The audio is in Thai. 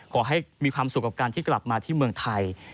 ขอให้มีความสุขกับการที่กลับมาที่เมืองไทย